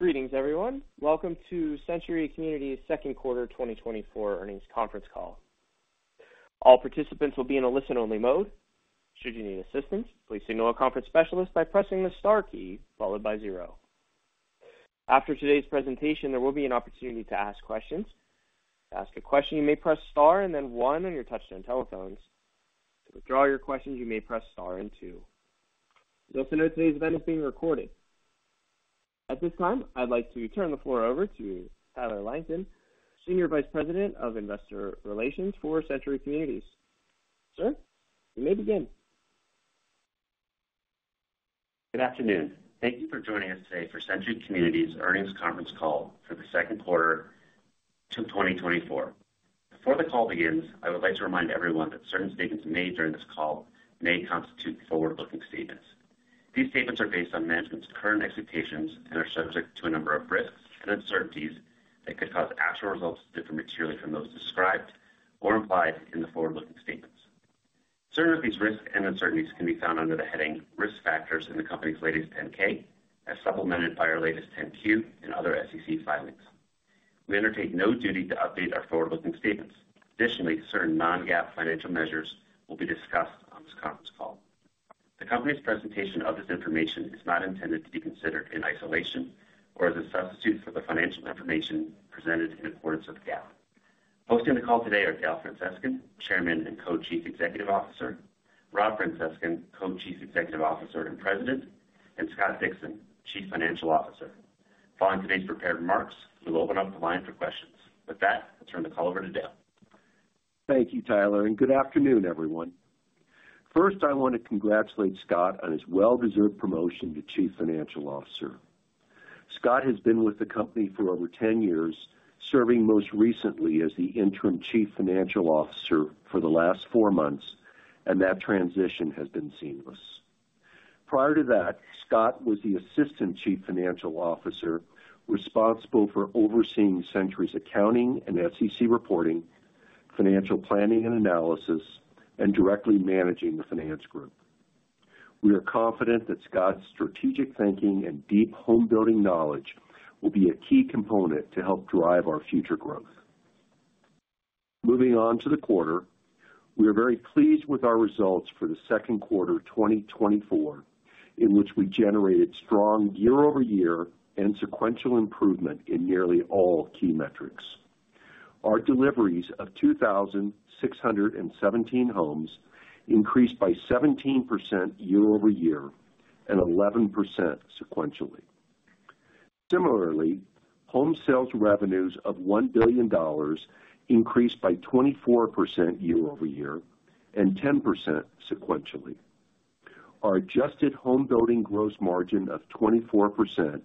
...Greetings, everyone. Welcome to Century Communities' second quarter 2024 earnings conference call. All participants will be in a listen-only mode. Should you need assistance, please signal a conference specialist by pressing the Star key followed by zero. After today's presentation, there will be an opportunity to ask questions. To ask a question, you may press Star and then one on your touchtone telephones. To withdraw your questions, you may press Star and two. Note that today's event is being recorded. At this time, I'd like to turn the floor over to Tyler Langton, Senior Vice President of Investor Relations for Century Communities. Sir, you may begin. Good afternoon. Thank you for joining us today for Century Communities' earnings conference call for the second quarter of 2024. Before the call begins, I would like to remind everyone that certain statements made during this call may constitute forward-looking statements. These statements are based on management's current expectations and are subject to a number of risks and uncertainties that could cause actual results to differ materially from those described or implied in the forward-looking statements. Certain of these risks and uncertainties can be found under the heading Risk Factors in the company's latest 10-K, as supplemented by our latest 10-Q and other SEC filings. We undertake no duty to update our forward-looking statements. Additionally, certain non-GAAP financial measures will be discussed on this conference call. The company's presentation of this information is not intended to be considered in isolation or as a substitute for the financial information presented in accordance with GAAP. Hosting the call today are Dale Francescon, Chairman and Co-Chief Executive Officer, Rob Francescon, Co-Chief Executive Officer and President, and Scott Dixon, Chief Financial Officer. Following today's prepared remarks, we will open up the line for questions. With that, I'll turn the call over to Dale. Thank you, Tyler, and good afternoon, everyone. First, I want to congratulate Scott on his well-deserved promotion to Chief Financial Officer. Scott has been with the company for over 10 years, serving most recently as the interim Chief Financial Officer for the last four months, and that transition has been seamless. Prior to that, Scott was the Assistant Chief Financial Officer, responsible for overseeing Century's accounting and SEC reporting, financial planning and analysis, and directly managing the finance group. We are confident that Scott's strategic thinking and deep homebuilding knowledge will be a key component to help drive our future growth. Moving on to the quarter. We are very pleased with our results for the second quarter of 2024, in which we generated strong year-over-year and sequential improvement in nearly all key metrics. Our deliveries of 2,617 homes increased by 17% year-over-year and 11% sequentially. Similarly, home sales revenues of $1 billion increased by 24% year-over-year and 10% sequentially. Our adjusted home building gross margin of 24%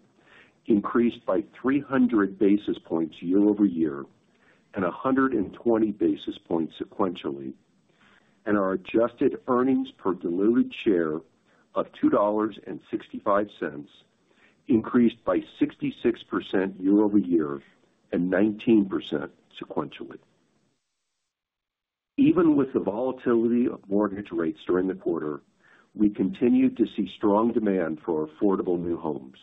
increased by 300 basis points year-over-year and 120 basis points sequentially, and our adjusted earnings per delivered share of $2.65 increased by 66% year-over-year and 19% sequentially. Even with the volatility of mortgage rates during the quarter, we continued to see strong demand for our affordable new homes.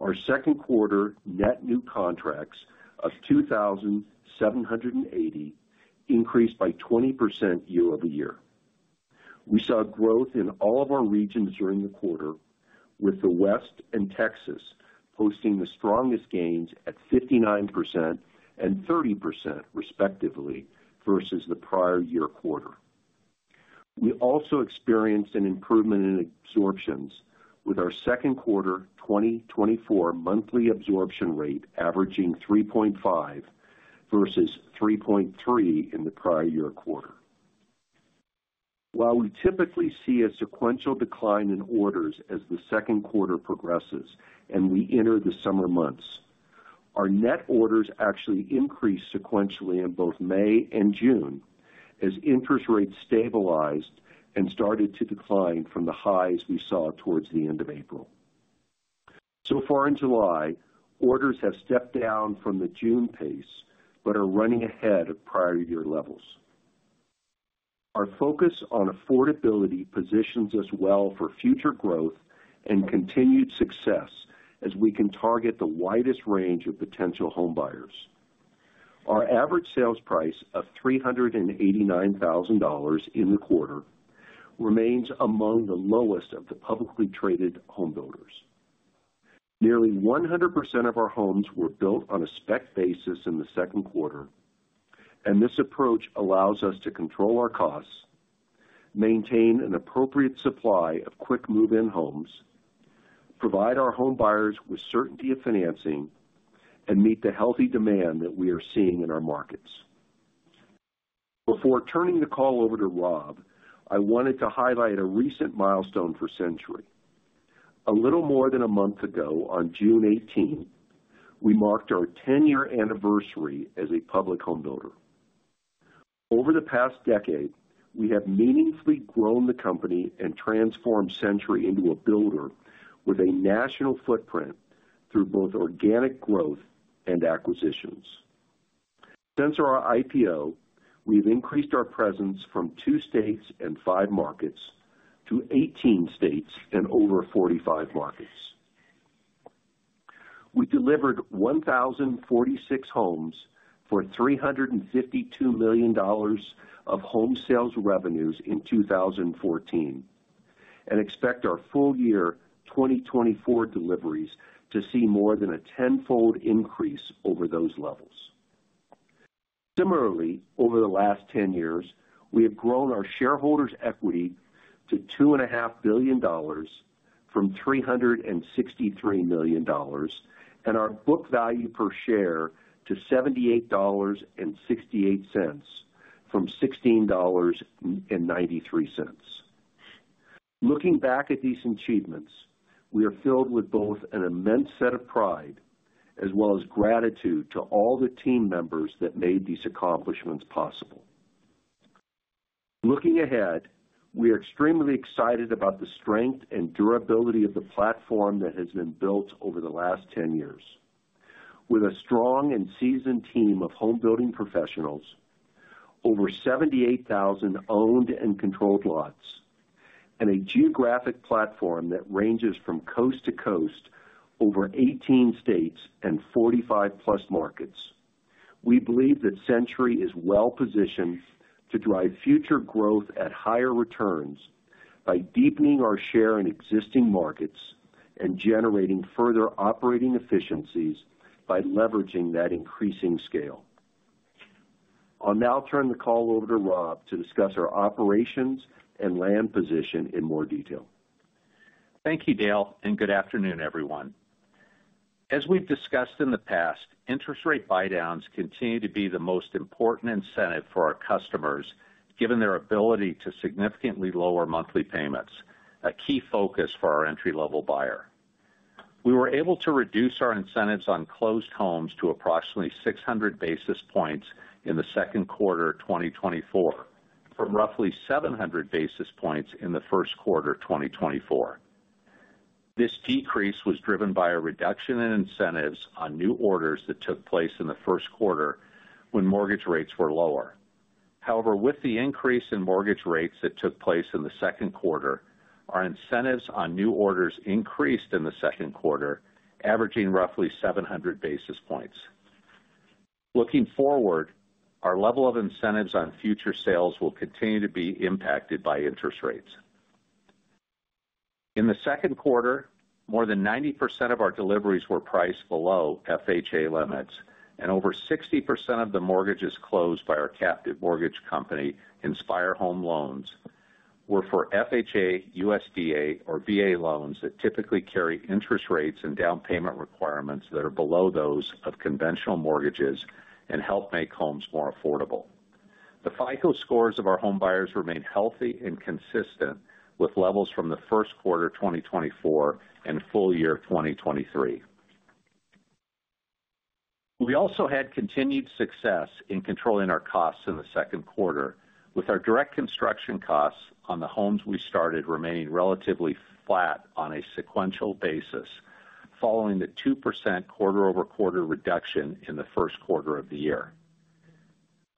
Our second quarter net new contracts of 2,780 increased by 20% year-over-year. We saw growth in all of our regions during the quarter, with the West and Texas posting the strongest gains at 59% and 30%, respectively, versus the prior year quarter. We also experienced an improvement in absorptions with our second quarter 2024 monthly absorption rate averaging 3.5 versus 3.3 in the prior year quarter. While we typically see a sequential decline in orders as the second quarter progresses and we enter the summer months, our net orders actually increased sequentially in both May and June as interest rates stabilized and started to decline from the highs we saw towards the end of April. So far in July, orders have stepped down from the June pace but are running ahead of prior year levels. Our focus on affordability positions us well for future growth and continued success as we can target the widest range of potential home buyers. Our average sales price of $389,000 in the quarter remains among the lowest of the publicly traded homebuilders. Nearly 100% of our homes were built on a spec basis in the second quarter, and this approach allows us to control our costs, maintain an appropriate supply of quick move-in homes, provide our home buyers with certainty of financing, and meet the healthy demand that we are seeing in our markets. Before turning the call over to Rob, I wanted to highlight a recent milestone for Century. A little more than a month ago, on June eighteenth, we marked our ten-year anniversary as a public homebuilder. Over the past decade, we have meaningfully grown the company and transformed Century into a builder with a national footprint through both organic growth and acquisitions. Since our IPO, we've increased our presence from 2 states and 5 markets to 18 states and over 45 markets. We delivered 1,046 homes for $352 million of home sales revenues in 2014, and expect our full year 2024 deliveries to see more than a tenfold increase over those levels. Similarly, over the last 10 years, we have grown our shareholders' equity to $2.5 billion from $363 million, and our book value per share to $78.68 from $16.93. Looking back at these achievements, we are filled with both an immense sense of pride as well as gratitude to all the team members that made these accomplishments possible. Looking ahead, we are extremely excited about the strength and durability of the platform that has been built over the last 10 years. With a strong and seasoned team of home building professionals, over 78,000 owned and controlled lots, and a geographic platform that ranges from coast to coast over 18 states and 45+ markets, we believe that Century is well positioned to drive future growth at higher returns by deepening our share in existing markets and generating further operating efficiencies by leveraging that increasing scale. I'll now turn the call over to Rob to discuss our operations and land position in more detail. Thank you, Dale, and good afternoon, everyone. As we've discussed in the past, interest rate buydowns continue to be the most important incentive for our customers, given their ability to significantly lower monthly payments, a key focus for our entry-level buyer. We were able to reduce our incentives on closed homes to approximately 600 basis points in the second quarter of 2024, from roughly 700 basis points in the first quarter of 2024. This decrease was driven by a reduction in incentives on new orders that took place in the first quarter when mortgage rates were lower. However, with the increase in mortgage rates that took place in the second quarter, our incentives on new orders increased in the second quarter, averaging roughly 700 basis points. Looking forward, our level of incentives on future sales will continue to be impacted by interest rates. In the second quarter, more than 90% of our deliveries were priced below FHA limits, and over 60% of the mortgages closed by our captive mortgage company, Inspire Home Loans, were for FHA, USDA, or VA loans that typically carry interest rates and down payment requirements that are below those of conventional mortgages and help make homes more affordable. The FICO scores of our home buyers remain healthy and consistent, with levels from the first quarter 2024 and full year 2023. We also had continued success in controlling our costs in the second quarter, with our direct construction costs on the homes we started remaining relatively flat on a sequential basis following the 2% quarter-over-quarter reduction in the first quarter of the year.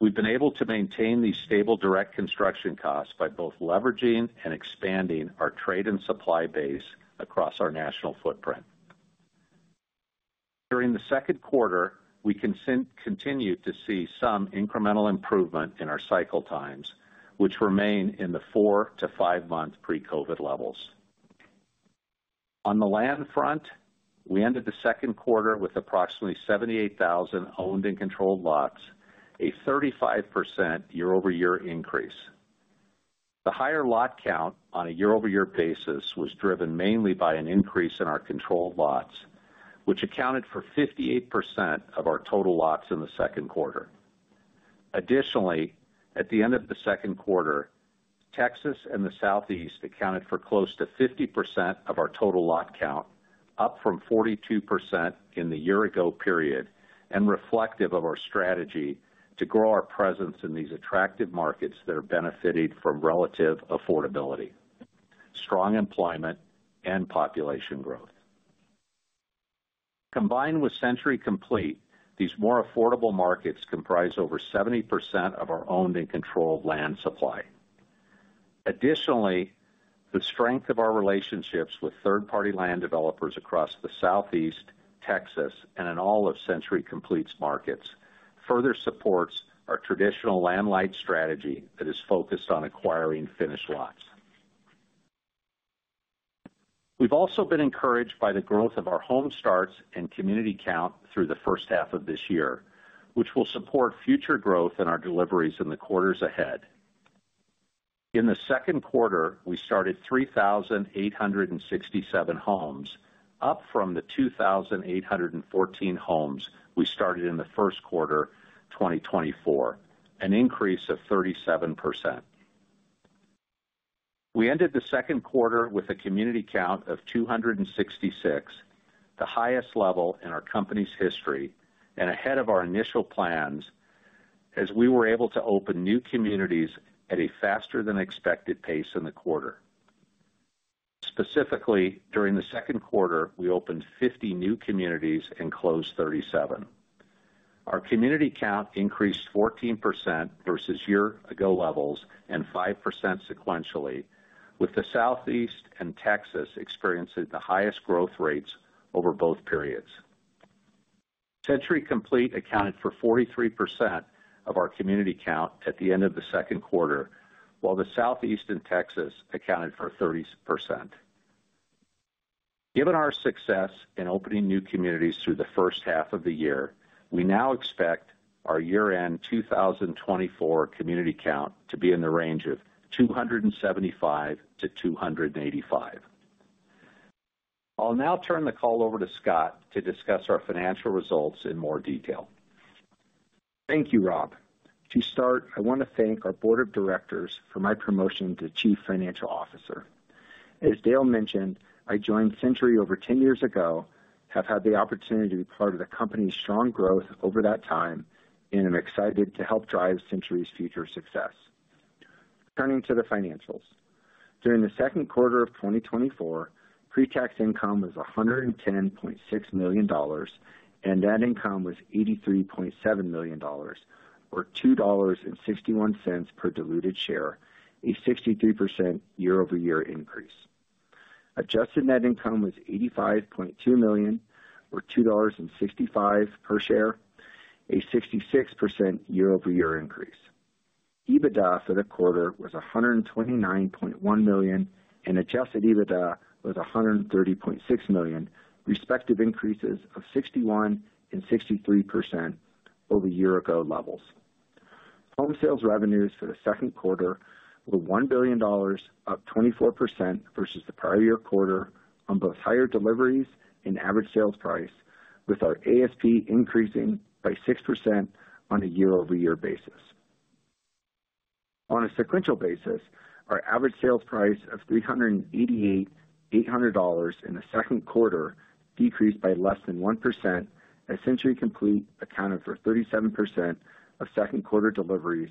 We've been able to maintain these stable direct construction costs by both leveraging and expanding our trade and supply base across our national footprint. During the second quarter, we continued to see some incremental improvement in our cycle times, which remain in the 4-5-month pre-COVID levels. On the land front, we ended the second quarter with approximately 78,000 owned and controlled lots, a 35% year-over-year increase. The higher lot count on a year-over-year basis was driven mainly by an increase in our controlled lots, which accounted for 58% of our total lots in the second quarter. Additionally, at the end of the second quarter, Texas and the Southeast accounted for close to 50% of our total lot count, up from 42% in the year-ago period, and reflective of our strategy to grow our presence in these attractive markets that are benefiting from relative affordability, strong employment, and population growth. Combined with Century Complete, these more affordable markets comprise over 70% of our owned and controlled land supply. Additionally, the strength of our relationships with third-party land developers across the Southeast, Texas, and in all of Century Complete's markets, further supports our traditional Landlight Strategy that is focused on acquiring finished lots. We've also been encouraged by the growth of our home starts and community count through the first half of this year, which will support future growth in our deliveries in the quarters ahead. In the second quarter, we started 3,867 homes, up from the 2,814 homes we started in the first quarter, 2024, an increase of 37%. We ended the second quarter with a community count of 266, the highest level in our company's history, and ahead of our initial plans, as we were able to open new communities at a faster-than-expected pace in the quarter. Specifically, during the second quarter, we opened 50 new communities and closed 37. Our community count increased 14% versus year-ago levels and 5% sequentially, with the Southeast and Texas experiencing the highest growth rates over both periods. Century Complete accounted for 43% of our community count at the end of the second quarter, while the Southeast and Texas accounted for 30%. Given our success in opening new communities through the first half of the year, we now expect our year-end 2024 community count to be in the range of 275-285. I'll now turn the call over to Scott to discuss our financial results in more detail. Thank you, Rob. To start, I want to thank our board of directors for my promotion to Chief Financial Officer. As Dale mentioned, I joined Century over 10 years ago, have had the opportunity to be part of the company's strong growth over that time, and I'm excited to help drive Century's future success. Turning to the financials. During the second quarter of 2024, pre-tax income was $110.6 million, and net income was $83.7 million, or $2.61 per diluted share, a 63% year-over-year increase. Adjusted net income was $85.2 million, or $2.65 per share, a 66% year-over-year increase. EBITDA for the quarter was $129.1 million, and adjusted EBITDA was $130.6 million, respective increases of 61% and 63% over year-ago levels. Home sales revenues for the second quarter were $1 billion, up 24% versus the prior year quarter on both higher deliveries and average sales price, with our ASP increasing by 6% on a year-over-year basis. On a sequential basis, our average sales price of $388,800 in the second quarter decreased by less than 1%, as Century Complete accounted for 37% of second quarter deliveries,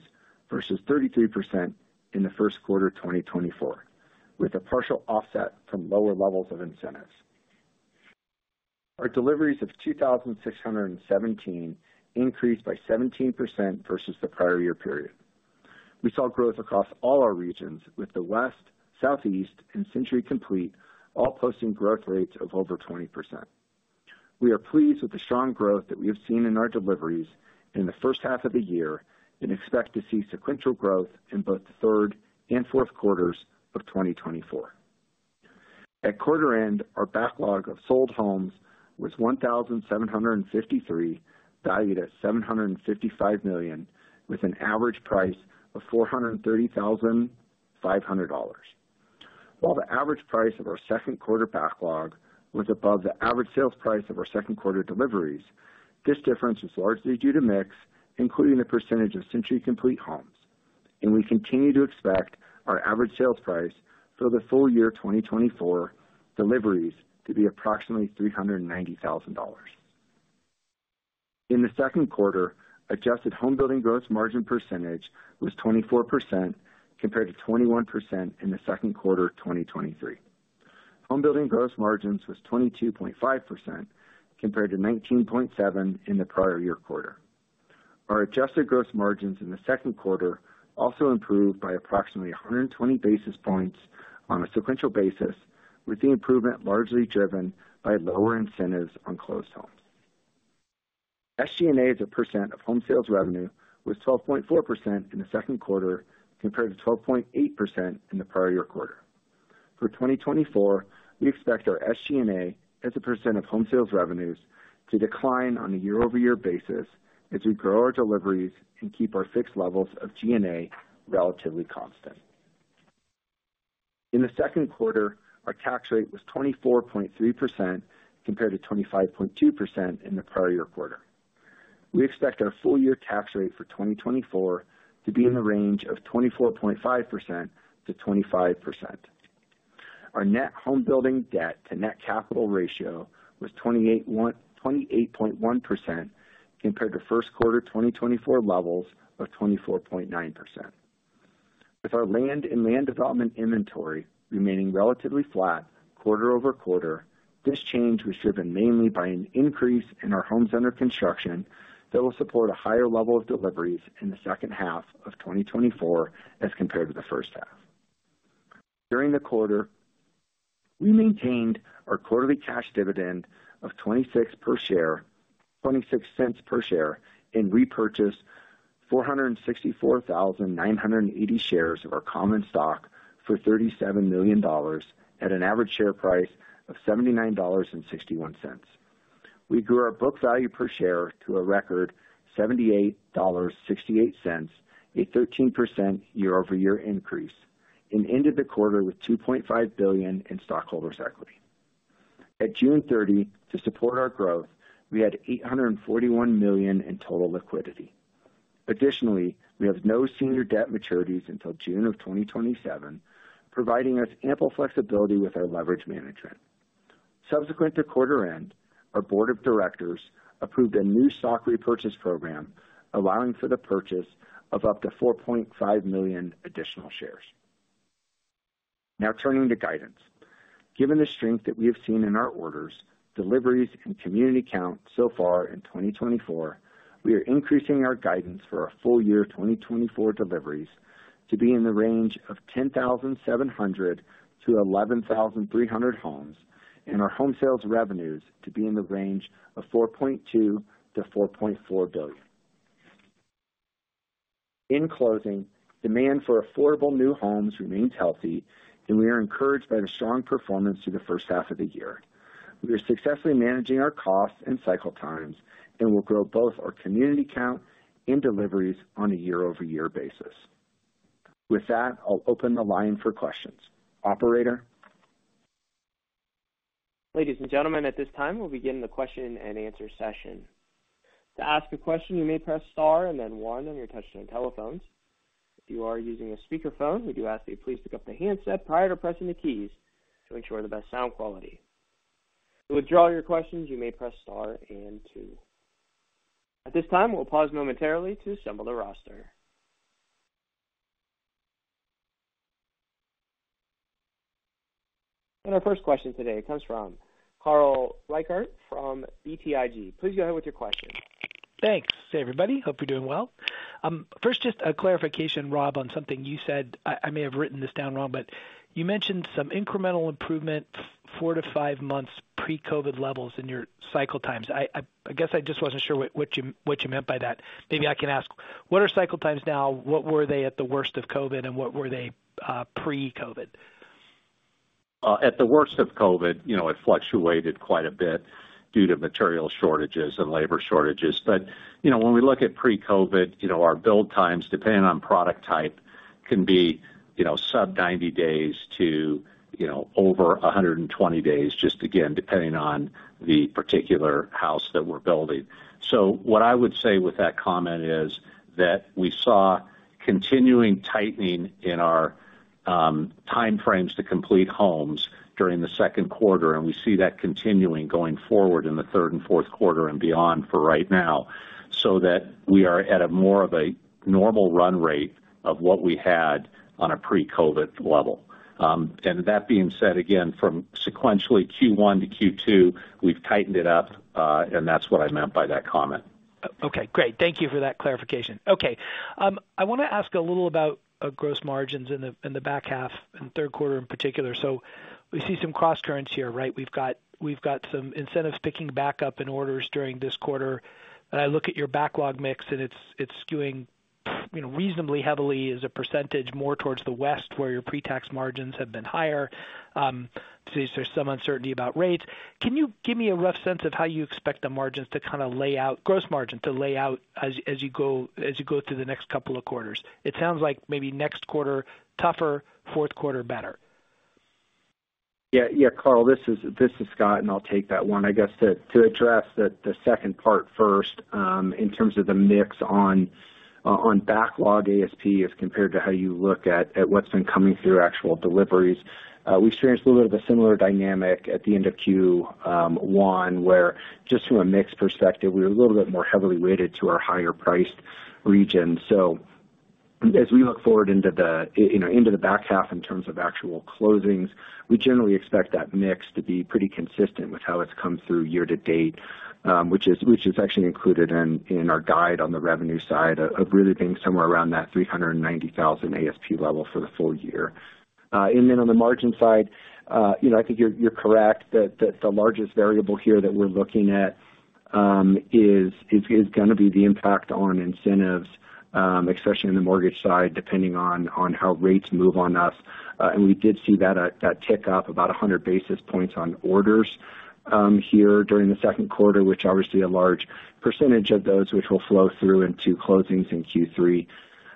versus 33% in the first quarter of 2024, with a partial offset from lower levels of incentives. Our deliveries of 2,617 increased by 17% versus the prior year period. We saw growth across all our regions, with the West, Southeast, and Century Complete all posting growth rates of over 20%. We are pleased with the strong growth that we have seen in our deliveries in the first half of the year and expect to see sequential growth in both the third and fourth quarters of 2024. At quarter end, our backlog of sold homes was 1,753, valued at $755 million, with an average price of $430,500. While the average price of our second quarter backlog was above the average sales price of our second quarter deliveries, this difference is largely due to mix, including the percentage of Century Complete homes, and we continue to expect our average sales price for the full year 2024 deliveries to be approximately $390,000. In the second quarter, adjusted home building gross margin percentage was 24%, compared to 21% in the second quarter of 2023. Home building gross margins was 22.5%, compared to 19.7% in the prior year quarter. Our adjusted gross margins in the second quarter also improved by approximately 120 basis points on a sequential basis, with the improvement largely driven by lower incentives on closed homes. SG&A as a percent of home sales revenue was 12.4% in the second quarter, compared to 12.8% in the prior year quarter. For 2024, we expect our SG&A as a percent of home sales revenues to decline on a year-over-year basis as we grow our deliveries and keep our fixed levels of G&A relatively constant. In the second quarter, our tax rate was 24.3%, compared to 25.2% in the prior year quarter. We expect our full year tax rate for 2024 to be in the range of 24.5%-25%. Our net home building debt to net capital ratio was 28.1%, compared to first quarter 2024 levels of 24.9%. With our land and land development inventory remaining relatively flat quarter-over-quarter, this change was driven mainly by an increase in our homes under construction that will support a higher level of deliveries in the second half of 2024 as compared to the first half. During the quarter, we maintained our quarterly cash dividend of 26 cents per share, and repurchased 464,980 shares of our common stock for $37 million at an average share price of $79.61. We grew our book value per share to a record $78.68, a 13% year-over-year increase, and ended the quarter with $2.5 billion in stockholders' equity. At June 30, to support our growth, we had $841 million in total liquidity. Additionally, we have no senior debt maturities until June of 2027, providing us ample flexibility with our leverage management. Subsequent to quarter end, our board of directors approved a new stock repurchase program, allowing for the purchase of up to 4.5 million additional shares. Now, turning to guidance. Given the strength that we have seen in our orders, deliveries, and community count so far in 2024, we are increasing our guidance for our full year 2024 deliveries to be in the range of 10,700-11,300 homes, and our home sales revenues to be in the range of $4.2 billion-$4.4 billion. In closing, demand for affordable new homes remains healthy, and we are encouraged by the strong performance through the first half of the year. We are successfully managing our costs and cycle times, and we'll grow both our community count and deliveries on a year-over-year basis. With that, I'll open the line for questions. Operator? Ladies and gentlemen, at this time, we'll begin the question-and-answer session. To ask a question, you may press Star and then One on your touchtone telephones. If you are using a speakerphone, we do ask that you please pick up the handset prior to pressing the keys to ensure the best sound quality. To withdraw your questions, you may press Star and Two. At this time, we'll pause momentarily to assemble the roster. And our first question today comes from Carl Reichardt from BTIG. Please go ahead with your question. Thanks. Hey, everybody, hope you're doing well. First, just a clarification, Rob, on something you said. I may have written this down wrong, but you mentioned some incremental improvement, 4-5 months pre-COVID levels in your cycle times. I guess I just wasn't sure what you meant by that. Maybe I can ask, what are cycle times now? What were they at the worst of COVID, and what were they pre-COVID? At the worst of COVID, you know, it fluctuated quite a bit due to material shortages and labor shortages. But, you know, when we look at pre-COVID, you know, our build times, depending on product type, can be, you know, sub 90 days to, you know, over 120 days, just again, depending on the particular house that we're building. So what I would say with that comment is that we saw continuing tightening in our time frames to complete homes during the second quarter, and we see that continuing going forward in the third and fourth quarter and beyond for right now. So that we are at a more of a normal run rate of what we had on a pre-COVID level. That being said, again, from sequentially Q1 to Q2, we've tightened it up, and that's what I meant by that comment. Okay, great. Thank you for that clarification. Okay, I want to ask a little about gross margins in the back half, in the third quarter in particular. So we see some crosscurrents here, right? We've got, we've got some incentives picking back up in orders during this quarter. And I look at your backlog mix, and it's, it's skewing, you know, reasonably heavily as a percentage, more towards the West, where your pre-tax margins have been higher. There's some uncertainty about rates. Can you give me a rough sense of how you expect the margins to kind of lay out... gross margin to lay out as you go through the next couple of quarters? It sounds like maybe next quarter, tougher, fourth quarter, better. Yeah, Carl, this is Scott, and I'll take that one. I guess, to address the second part first, in terms of the mix on backlog ASP, as compared to how you look at what's been coming through actual deliveries. We've experienced a little bit of a similar dynamic at the end of Q1, where just from a mix perspective, we're a little bit more heavily weighted to our higher priced region. So as we look forward into the, you know, into the back half in terms of actual closings, we generally expect that mix to be pretty consistent with how it's come through year to date, which is actually included in our guide on the revenue side, of really being somewhere around that $390,000 ASP level for the full year. And then on the margin side, you know, I think you're correct that the largest variable here that we're looking at is gonna be the impact on incentives, especially in the mortgage side, depending on how rates move on us. And we did see that tick up about 100 basis points on orders here during the second quarter, which obviously a large percentage of those, which will flow through into closings in Q3.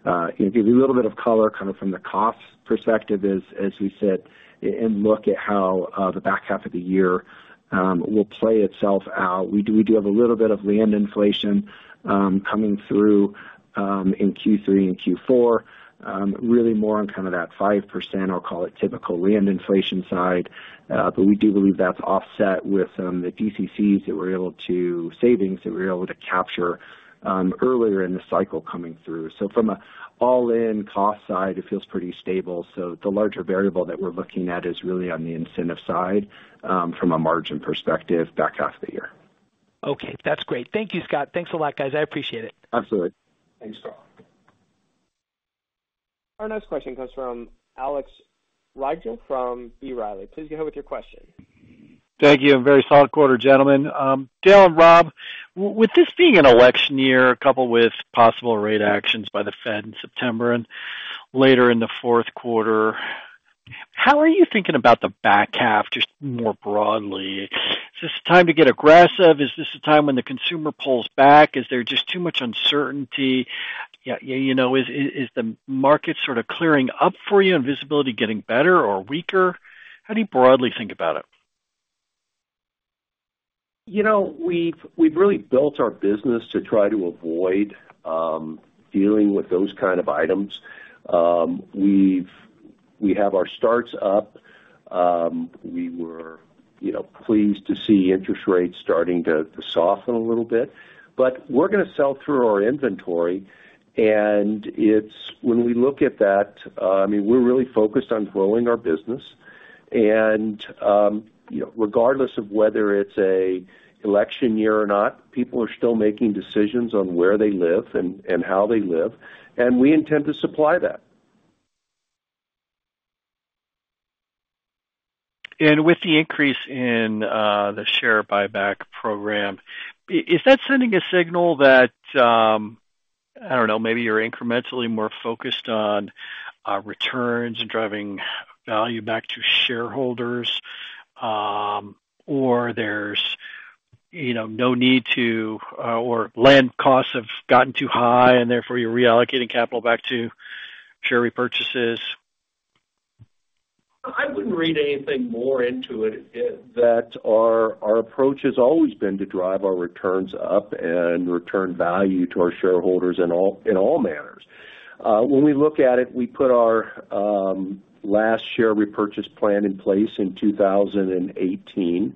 And give you a little bit of color, kind of from the cost perspective, as we sit and look at how the back half of the year will play itself out. We do have a little bit of land inflation coming through in Q3 and Q4. Really more on kind of that 5%, I'll call it typical land inflation side. But we do believe that's offset with some, the DCCs that we're able to... savings that we're able to capture earlier in the cycle coming through. So from an all-in cost side, it feels pretty stable. So the larger variable that we're looking at is really on the incentive side, from a margin perspective, back half of the year. Okay, that's great. Thank you, Scott. Thanks a lot, guys. I appreciate it. Absolutely. Thanks, Carl. Our next question comes from Alex Rygiel from B. Riley. Please go ahead with your question. Thank you. A very solid quarter, gentlemen. Dale and Rob, with this being an election year, coupled with possible rate actions by the Fed in September and later in the fourth quarter, how are you thinking about the back half, just more broadly? Is this the time to get aggressive? Is this the time when the consumer pulls back? Is there just too much uncertainty? Yeah, you know, is the market sort of clearing up for you and visibility getting better or weaker? How do you broadly think about it?... You know, we've really built our business to try to avoid dealing with those kind of items. We have our starts up. We were, you know, pleased to see interest rates starting to soften a little bit. But we're gonna sell through our inventory, and it's... When we look at that, I mean, we're really focused on growing our business. And you know, regardless of whether it's an election year or not, people are still making decisions on where they live and how they live, and we intend to supply that. With the increase in the share buyback program, is that sending a signal that, I don't know, maybe you're incrementally more focused on returns and driving value back to shareholders, or there's, you know, no need to or land costs have gotten too high, and therefore you're reallocating capital back to share repurchases? I wouldn't read anything more into it, Ed, that our approach has always been to drive our returns up and return value to our shareholders in all manners. When we look at it, we put our last share repurchase plan in place in 2018.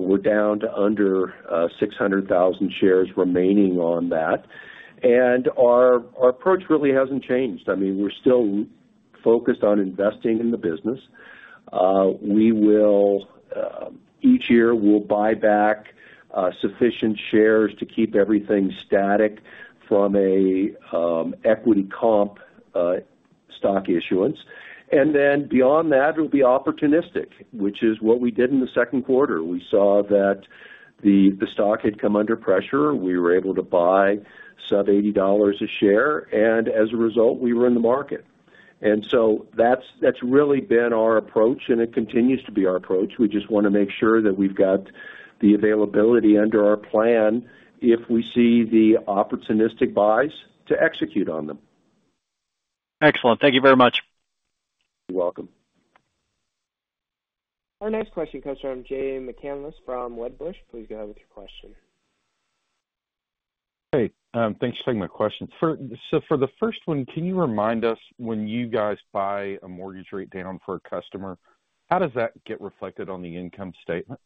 We're down to under 600,000 shares remaining on that, and our approach really hasn't changed. I mean, we're still focused on investing in the business. We will each year, we'll buy back sufficient shares to keep everything static from a equity comp stock issuance. And then beyond that, we'll be opportunistic, which is what we did in the second quarter. We saw that the stock had come under pressure. We were able to buy sub $80 a share, and as a result, we were in the market. And so that's, that's really been our approach, and it continues to be our approach. We just wanna make sure that we've got the availability under our plan if we see the opportunistic buys to execute on them. Excellent. Thank you very much. You're welcome. Our next question comes from Jay McCanless from Wedbush. Please go ahead with your question. Hey, thanks for taking my question. For the first one, can you remind us, when you guys buy a mortgage rate down for a customer, how does that get reflected on the income statement?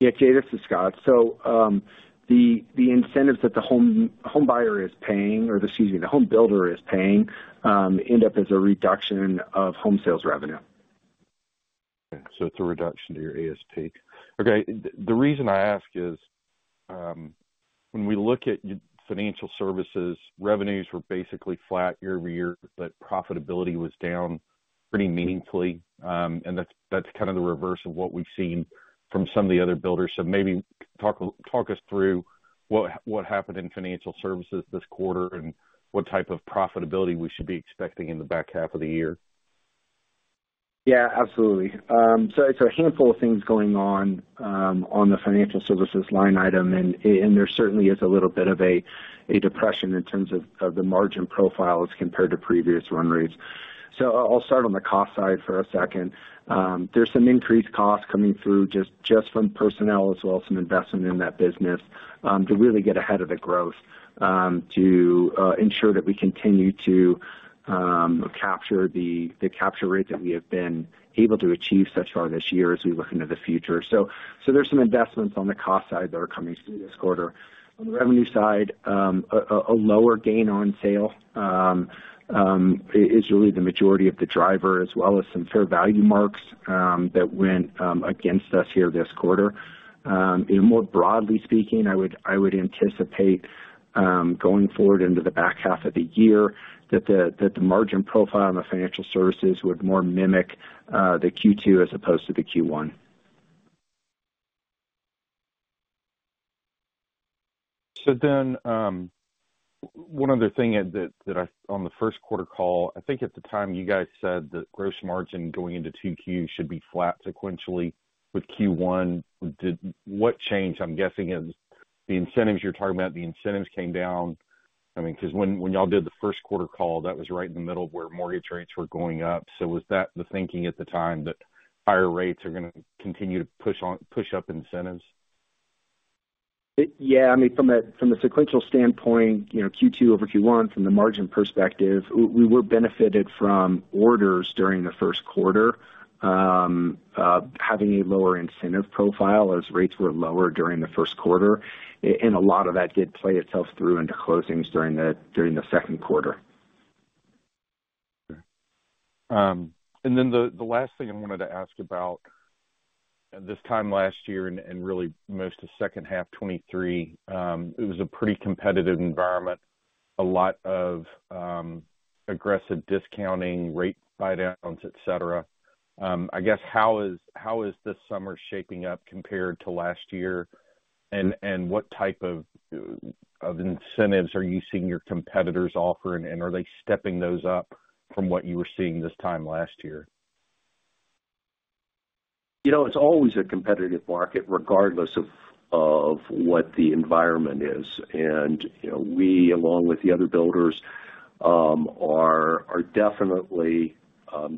Yeah, Jay, this is Scott. So, the incentives that the homebuyer is paying, or excuse me, the homebuilder is paying, end up as a reduction of home sales revenue. Okay, so it's a reduction to your ASP. Okay, the reason I ask is, when we look at financial services, revenues were basically flat year-over-year, but profitability was down pretty meaningfully. And that's kind of the reverse of what we've seen from some of the other builders. So maybe talk us through what happened in financial services this quarter and what type of profitability we should be expecting in the back half of the year. Yeah, absolutely. So it's a handful of things going on, on the financial services line item, and there certainly is a little bit of a depression in terms of the margin profile as compared to previous run rates. So I'll start on the cost side for a second. There's some increased costs coming through just from personnel, as well as some investment in that business, to really get ahead of the growth, to ensure that we continue to capture the capture rate that we have been able to achieve thus far this year as we look into the future. So there's some investments on the cost side that are coming through this quarter. On the revenue side, a lower gain on sale is really the majority of the driver, as well as some fair value marks that went against us here this quarter. More broadly speaking, I would anticipate going forward into the back half of the year that the margin profile on the financial services would more mimic the Q2 as opposed to the Q1. So then, one other thing that I. On the first quarter call, I think at the time, you guys said that gross margin going into 2Q should be flat sequentially with Q1. Did what changed? I'm guessing it was the incentives you're talking about, the incentives came down. I mean, 'cause when y'all did the first quarter call, that was right in the middle of where mortgage rates were going up. So was that the thinking at the time, that higher rates are gonna continue to push on, push up incentives? Yeah, I mean, from a sequential standpoint, you know, Q2 over Q1, from the margin perspective, we were benefited from orders during the first quarter, having a lower incentive profile as rates were lower during the first quarter. And a lot of that did play itself through into closings during the second quarter. And then the last thing I wanted to ask about, this time last year and really most of second half 2023, it was a pretty competitive environment, a lot of aggressive discounting, rate buydowns, et cetera. I guess, how is this summer shaping up compared to last year? And what type of incentives are you seeing your competitors offering, and are they stepping those up from what you were seeing this time last year? You know, it's always a competitive market, regardless of what the environment is. And, you know, we, along with the other builders... are definitely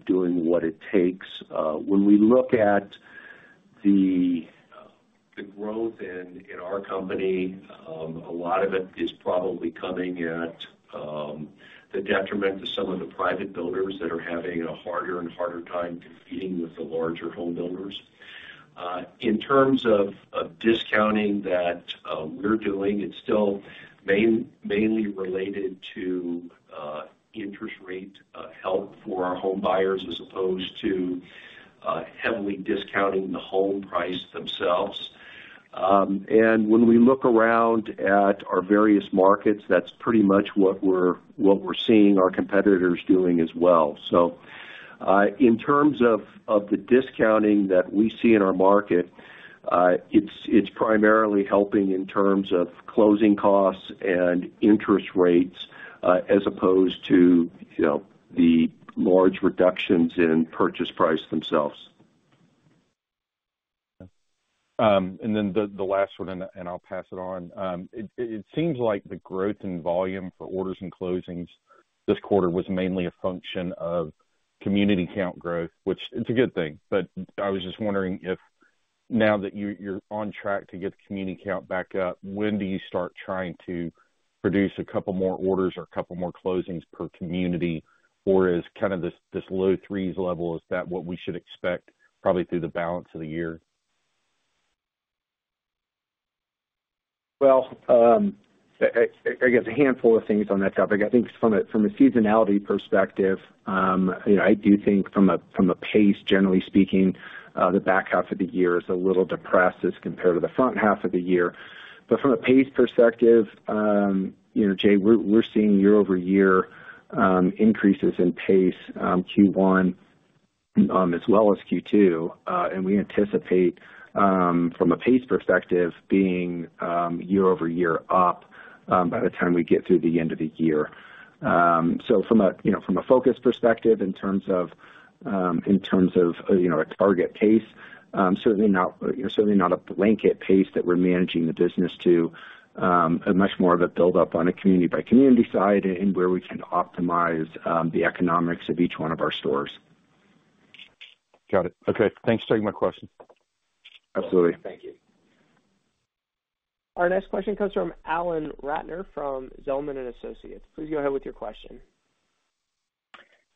doing what it takes. When we look at the growth in our company, a lot of it is probably coming at the detriment to some of the private builders that are having a harder and harder time competing with the larger home builders. In terms of discounting that we're doing, it's still mainly related to interest rate help for our home buyers, as opposed to heavily discounting the home price themselves. And when we look around at our various markets, that's pretty much what we're seeing our competitors doing as well. So, in terms of the discounting that we see in our market, it's primarily helping in terms of closing costs and interest rates, as opposed to, you know, the large reductions in purchase price themselves. And then the last one, and I'll pass it on. It seems like the growth in volume for orders and closings this quarter was mainly a function of community count growth, which it's a good thing. But I was just wondering if now that you're on track to get the community count back up, when do you start trying to produce a couple more orders or a couple more closings per community? Or is kind of this low threes level, is that what we should expect probably through the balance of the year? Well, I guess a handful of things on that topic. I think from a seasonality perspective, you know, I do think from a pace, generally speaking, the back half of the year is a little depressed as compared to the front half of the year. But from a pace perspective, you know, Jay, we're seeing year-over-year increases in pace, Q1 as well as Q2. And we anticipate, from a pace perspective, being year-over-year up by the time we get through the end of the year. So from a focus perspective, in terms of, you know, in terms of, you know, a target pace, certainly not, certainly not a blanket pace that we're managing the business to, a much more of a build up on a community-by-community side and where we can optimize the economics of each one of our stores. Got it. Okay. Thanks for taking my question. Absolutely. Thank you. Our next question comes from Alan Ratner, from Zelman & Associates. Please go ahead with your question.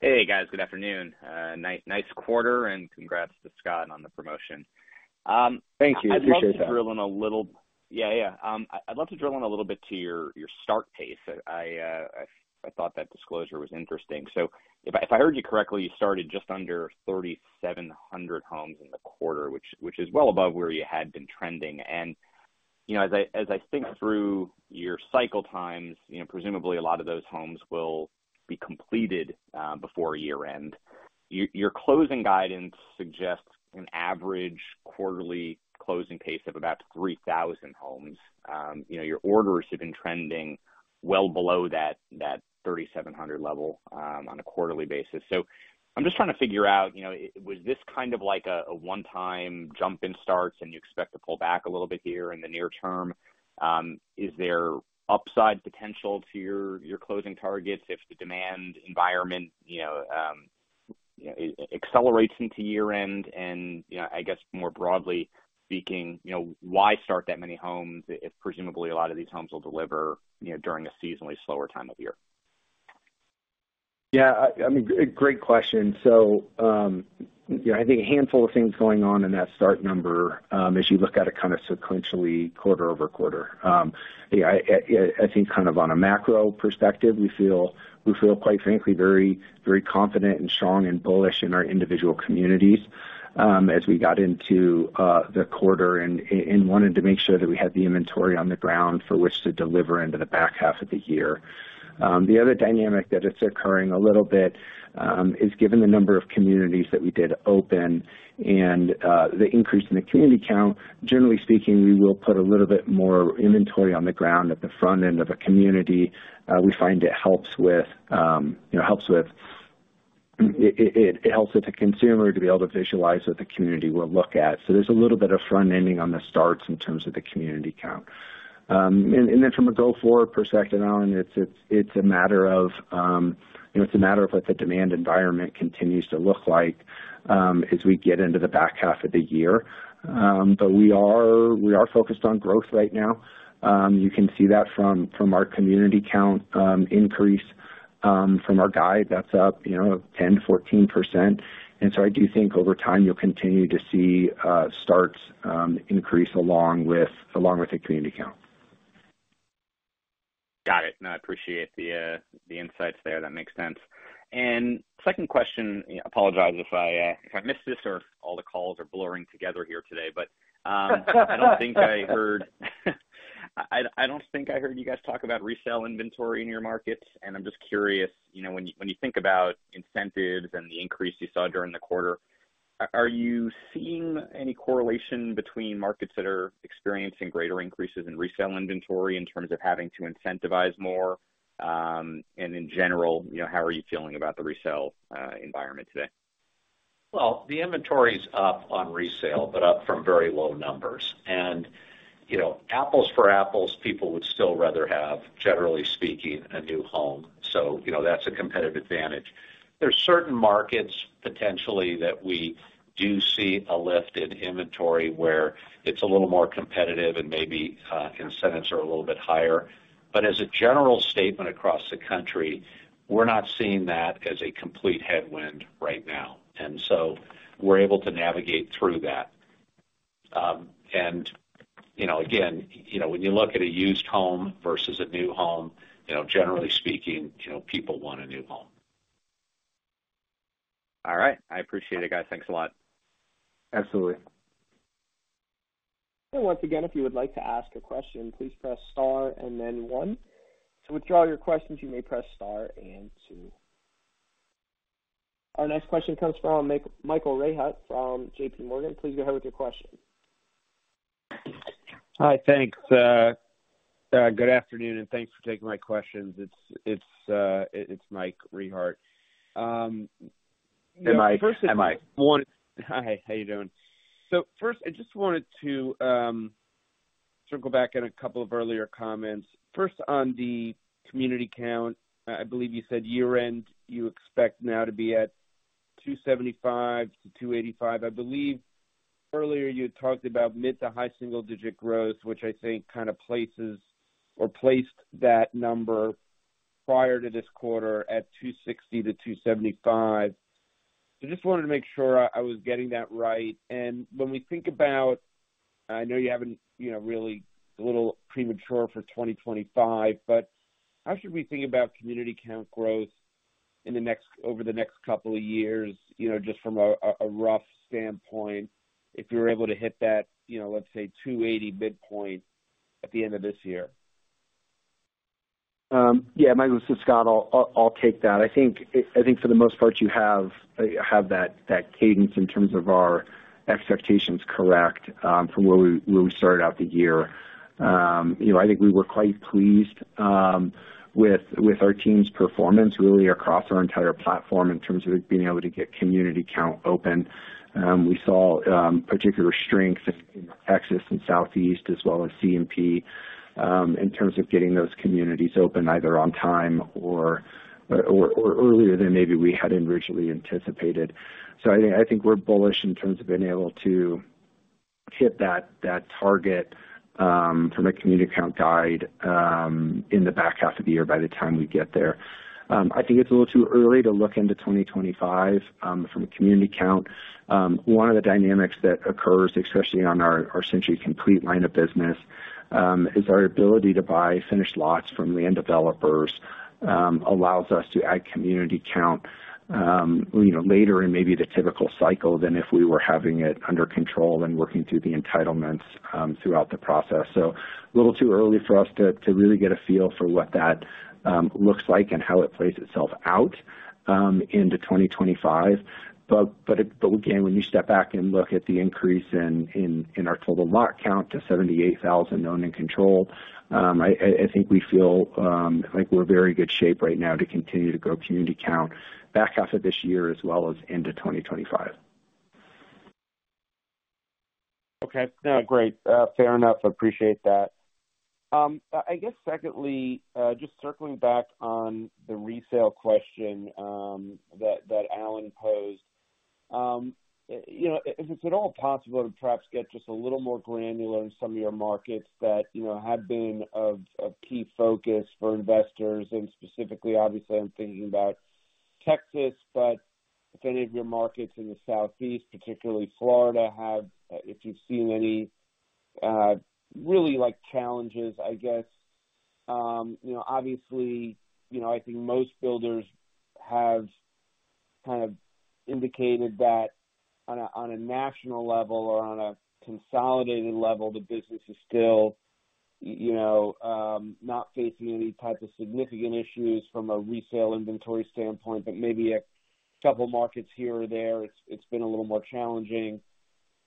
Hey, guys. Good afternoon. Nice, nice quarter, and congrats to Scott on the promotion. Thank you. I appreciate that. I'd love to drill in a little bit to your start pace. I thought that disclosure was interesting. So if I heard you correctly, you started just under 3,700 homes in the quarter, which is well above where you had been trending. And, you know, as I think through your cycle times, you know, presumably a lot of those homes will be completed before year-end. Your closing guidance suggests an average quarterly closing pace of about 3,000 homes. You know, your orders have been trending well below that 3,700 level on a quarterly basis. So I'm just trying to figure out, you know, was this kind of like a one-time jump in starts and you expect to pull back a little bit here in the near term? Is there upside potential to your closing targets if the demand environment, you know, accelerates into year-end? And, you know, I guess more broadly speaking, you know, why start that many homes if presumably a lot of these homes will deliver, you know, during a seasonally slower time of year? Yeah, I mean, great question. So, you know, I think a handful of things going on in that start number, as you look at it kind of sequentially, quarter-over-quarter. Yeah, I think kind of on a macro perspective, we feel, quite frankly, very, very confident and strong and bullish in our individual communities, as we got into the quarter and wanted to make sure that we had the inventory on the ground for which to deliver into the back half of the year. The other dynamic that is occurring a little bit is given the number of communities that we did open and the increase in the community count, generally speaking, we will put a little bit more inventory on the ground at the front end of a community. We find it helps with, you know, helps with the consumer to be able to visualize what the community will look like. So there's a little bit of front-ending on the starts in terms of the community count. And then from a go-forward perspective, Alan, it's a matter of, you know, it's a matter of what the demand environment continues to look like as we get into the back half of the year. But we are focused on growth right now. You can see that from our community count increase from our guide, that's up, you know, 10%-14%. And so I do think over time, you'll continue to see starts increase along with the community count. Got it. No, I appreciate the insights there. That makes sense. And second question, apologize if I missed this or all the calls are blurring together here today, but I don't think I heard you guys talk about resale inventory in your markets, and I'm just curious, you know, when you think about incentives and the increase you saw during the quarter, are you seeing any correlation between markets that are experiencing greater increases in resale inventory in terms of having to incentivize more? And in general, you know, how are you feeling about the resale environment today?... Well, the inventory is up on resale, but up from very low numbers. And, you know, apples for apples, people would still rather have, generally speaking, a new home. So, you know, that's a competitive advantage. There are certain markets potentially that we do see a lift in inventory where it's a little more competitive and maybe, incentives are a little bit higher. But as a general statement across the country, we're not seeing that as a complete headwind right now, and so we're able to navigate through that. And, you know, again, you know, when you look at a used home versus a new home, you know, generally speaking, you know, people want a new home. All right. I appreciate it, guys. Thanks a lot. Absolutely. And once again, if you would like to ask a question, please press Star and then one. To withdraw your questions, you may press Star and two. Our next question comes from Michael Rehaut from J.P. Morgan. Please go ahead with your question. Hi, thanks. Good afternoon, and thanks for taking my questions. It's Mike Rehaut. First- Am I, am I? Hi, how you doing? So first, I just wanted to circle back on a couple of earlier comments. First, on the community count, I believe you said year-end, you expect now to be at 275-285. I believe earlier you had talked about mid- to high single-digit growth, which I think kind of places or placed that number prior to this quarter at 260-275. So just wanted to make sure I, I was getting that right. And when we think about... I know you haven't, you know, really a little premature for 2025, but how should we think about community count growth in the next... over the next couple of years? You know, just from a rough standpoint, if you were able to hit that, you know, let's say, 280 midpoint at the end of this year. Yeah, Michael, this is Scott. I'll take that. I think for the most part, you have that cadence in terms of our expectations correct, from where we started out the year. You know, I think we were quite pleased with our team's performance really across our entire platform in terms of being able to get community count open. We saw particular strength in Texas and Southeast as well as CMP, in terms of getting those communities open either on time or earlier than maybe we had originally anticipated. So I think we're bullish in terms of being able to hit that target, from a community count guide, in the back half of the year by the time we get there. I think it's a little too early to look into 2025, from a community count. One of the dynamics that occurs, especially on our Century Complete line of business, is our ability to buy finished lots from land developers, allows us to add community count, you know, later in maybe the typical cycle than if we were having it under control and working through the entitlements, throughout the process. So a little too early for us to really get a feel for what that looks like and how it plays itself out, into 2025. But again, when you step back and look at the increase in our total lot count to 78,000 owned and controlled, I think we feel like we're in very good shape right now to continue to grow community count back half of this year as well as into 2025. Okay. No, great. Fair enough. I appreciate that. I guess secondly, just circling back on the resale question, that, that Alan posed. You know, if it's at all possible to perhaps get just a little more granular in some of your markets that, you know, have been of, of key focus for investors, and specifically, obviously, I'm thinking about Texas, but if any of your markets in the Southeast, particularly Florida, have... If you've seen any, really like challenges, I guess. You know, obviously, you know, I think most builders have kind of indicated that on a, on a national level or on a consolidated level, the business is still, you know, not facing any type of significant issues from a resale inventory standpoint, but maybe a couple markets here or there, it's, it's been a little more challenging.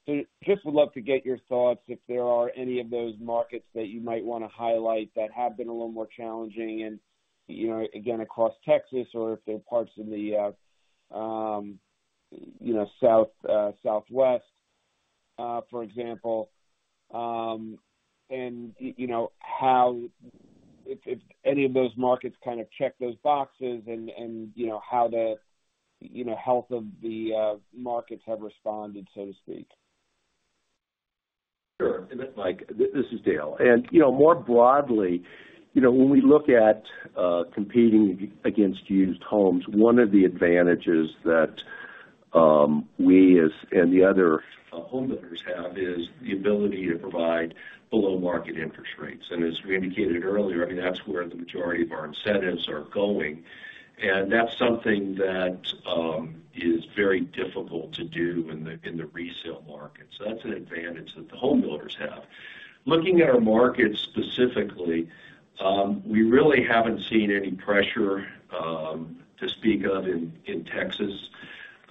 So just would love to get your thoughts if there are any of those markets that you might want to highlight that have been a little more challenging and, you know, again, across Texas or if they're parts of the you know, South, Southwest, for example. And you know, how if any of those markets kind of check those boxes and you know, how the you know, health of the markets have responded, so to speak. Sure. Mike, this is Dale. And, you know, more broadly, you know, when we look at, competing against used homes, one of the advantages that, we as and the other homebuilders have is the ability to provide below-market interest rates. And as we indicated earlier, I mean, that's where the majority of our incentives are going, and that's something that, is very difficult to do in the, in the resale market. So that's an advantage that the homebuilders have. Looking at our markets specifically, we really haven't seen any pressure, to speak of in, in Texas.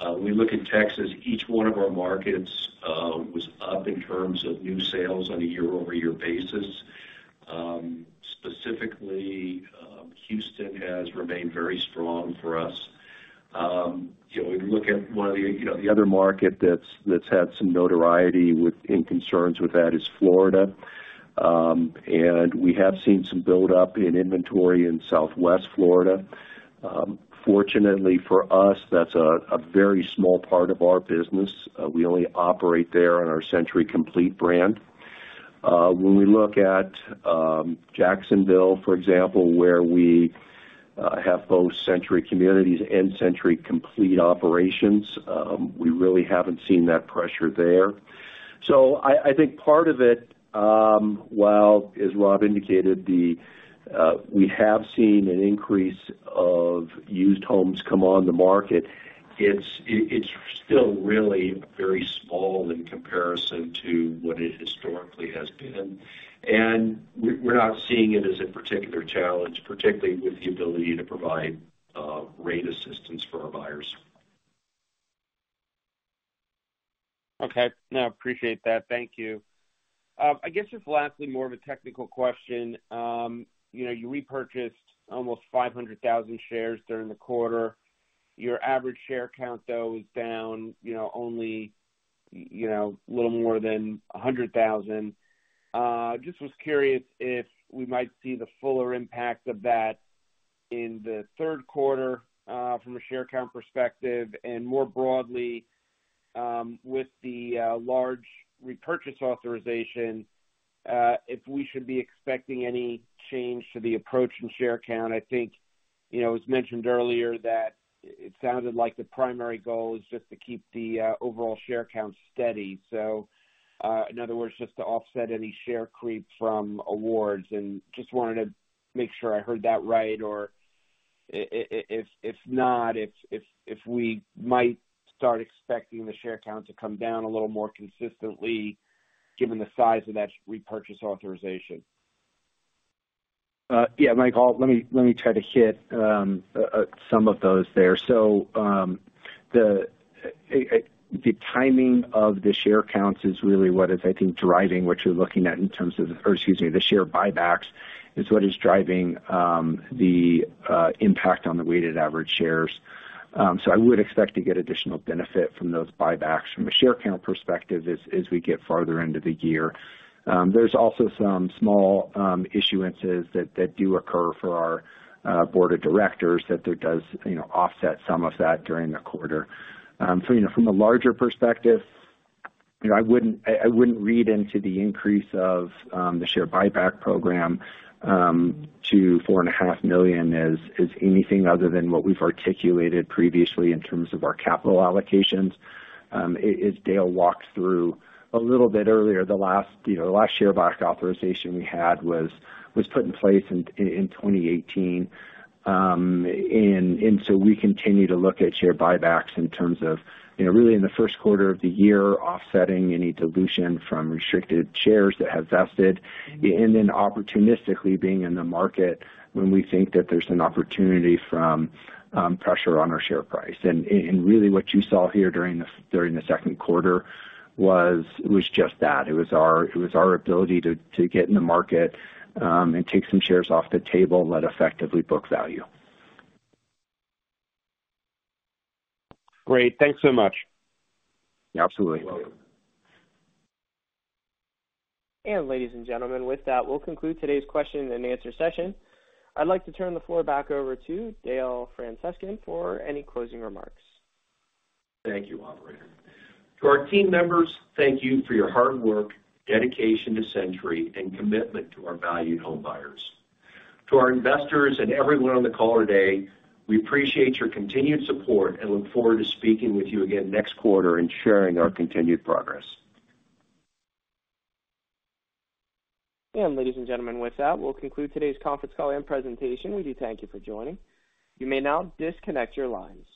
When we look at Texas, each one of our markets, was up in terms of new sales on a year-over-year basis.... Specifically, Houston has remained very strong for us. You know, we look at one of the, you know, the other market that's had some notoriety with, and concerns with that is Florida. And we have seen some buildup in inventory in Southwest Florida. Fortunately for us, that's a very small part of our business. We only operate there on our Century Complete brand. When we look at Jacksonville, for example, where we have both Century Communities and Century Complete operations, we really haven't seen that pressure there. So I think part of it, while, as Rob indicated, we have seen an increase of used homes come on the market, it's still really very small in comparison to what it historically has been. We're not seeing it as a particular challenge, particularly with the ability to provide rate assistance for our buyers. Okay. No, I appreciate that. Thank you. I guess just lastly, more of a technical question. You know, you repurchased almost 500,000 shares during the quarter. Your average share count, though, is down, you know, only a little more than 100,000. Just was curious if we might see the fuller impact of that in the third quarter, from a share count perspective, and more broadly, with the large repurchase authorization, if we should be expecting any change to the approach in share count. I think, you know, it was mentioned earlier that it sounded like the primary goal is just to keep the overall share count steady. So, in other words, just to offset any share creep from awards, and just wanted to make sure I heard that right. Or if not, if we might start expecting the share count to come down a little more consistently given the size of that repurchase authorization. Yeah, Michael, let me, let me try to hit some of those there. So, the timing of the share counts is really what is, I think, driving what you're looking at in terms of... Or excuse me, the share buybacks is what is driving the impact on the weighted average shares. So I would expect to get additional benefit from those buybacks from a share count perspective as we get farther into the year. There's also some small issuances that do occur for our board of directors, that it does, you know, offset some of that during the quarter. So, you know, from a larger perspective, you know, I wouldn't, I wouldn't read into the increase of the share buyback program to 4.5 million as anything other than what we've articulated previously in terms of our capital allocations. As Dale walked through a little bit earlier, the last, you know, the last share buyback authorization we had was put in place in 2018. And so we continue to look at share buybacks in terms of, you know, really in the first quarter of the year, offsetting any dilution from restricted shares that have vested, and then opportunistically being in the market when we think that there's an opportunity from pressure on our share price. And really what you saw here during the second quarter was, it was just that. It was our ability to get in the market and take some shares off the table and let effectively book value. Great. Thanks so much. Absolutely. You're welcome. Ladies and gentlemen, with that, we'll conclude today's question-and-answer session. I'd like to turn the floor back over to Dale Francescon for any closing remarks. Thank you, operator. To our team members, thank you for your hard work, dedication to Century, and commitment to our valued homebuyers. To our investors and everyone on the call today, we appreciate your continued support and look forward to speaking with you again next quarter and sharing our continued progress. Ladies and gentlemen, with that, we'll conclude today's conference call and presentation. We do thank you for joining. You may now disconnect your lines.